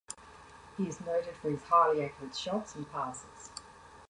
He is also noted for his highly accurate shots and passes.